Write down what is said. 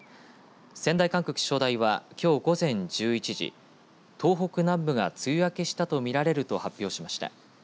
仙台管区気象台はきょう午前１１時東北南部が梅雨明けしたと見られると発表しました。